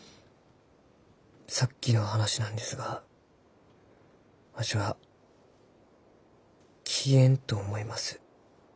さっきの話なんですがわしは消えんと思います。